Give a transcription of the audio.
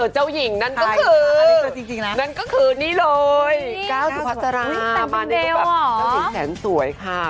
เจ้าหญิงแซมสวยค่ะ